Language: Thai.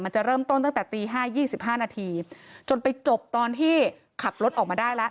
จะเริ่มต้นตั้งแต่ตี๕๒๕นาทีจนไปจบตอนที่ขับรถออกมาได้แล้ว